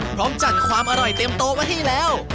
พร้อมจัดความอร่อยเต็มโตกว่าที่แล้ว